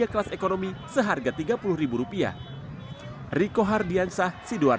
kelas ekonomi seharga tiga puluh ribu rupiah